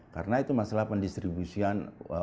karena itu masalah pendistribusian